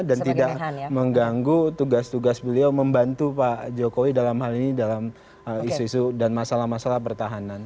dan tidak mengganggu tugas tugas beliau membantu pak jokowi dalam hal ini dalam isu isu dan masalah masalah pertahanan